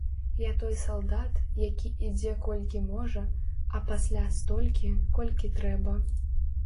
Я той салдат, які ідзе колькі можа, а пасля столькі, колькі трэба.